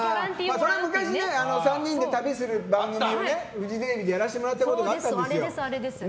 それは昔３人で旅する番組をフジテレビでやらせてもらったことがあるんですよ。